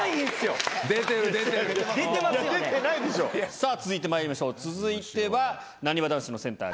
さぁ続いてまいりましょう続いてはなにわ男子のセンター